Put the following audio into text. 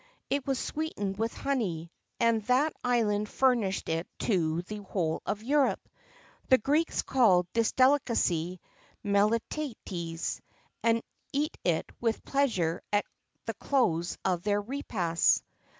It was sweetened with honey, and that island furnished it to the whole of Europe. The Greeks called this delicacy Melitates, and eat it with pleasure at the close of their repasts.